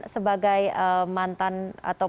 sebagai mantan atau